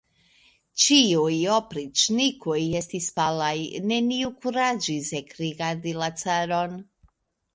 Ĉiuj opriĉnikoj estis palaj; neniu kuraĝis ekrigardi la caron.